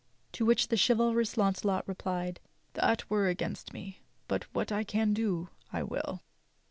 To which the chivalrous Launcelot replied: "That were against me; but what I can do I will."